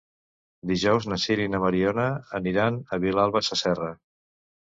Dijous na Sira i na Mariona aniran a Vilalba Sasserra.